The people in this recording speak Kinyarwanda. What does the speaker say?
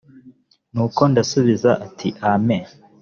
nuko ndasubiza nti amen